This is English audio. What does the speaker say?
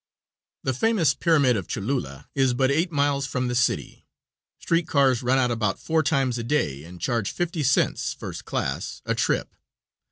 The famous pyramid of Cholula is but eight miles from the city. Street cars run out about four times a day and charge fifty cents, first class, a trip.